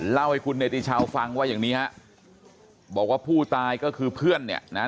เล่าให้คุณเนติชาวฟังว่าอย่างนี้ฮะบอกว่าผู้ตายก็คือเพื่อนเนี่ยนะ